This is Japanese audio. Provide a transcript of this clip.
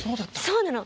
そうなの。